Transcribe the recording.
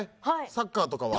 サッカーとかは。